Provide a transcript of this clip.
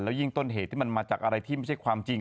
ยิ่งต้นเหตุที่มันมาจากอะไรที่ไม่ใช่ความจริง